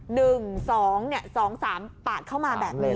หนึ่งสองสามตะเข้ามาแบบนี้